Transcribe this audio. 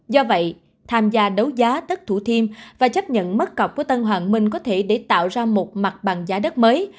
do vậy tham gia đấu giá đất thủ thiêm và chấp nhận mất cọc của tân hoàng minh có thể để tạo ra một mặt bằng giá đất mới